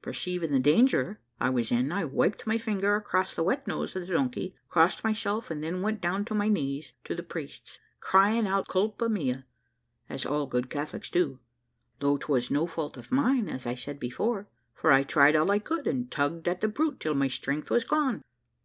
Perceiving the danger I was in, I wiped my finger across the wet nose of the donkey, crossed myself, and then went down on my knees to the priests, crying out Culpa mea, as all good Catholics do though 'twas no fault of mine, as I said before, for I tried all I could, and tugged at the brute till my strength was gone.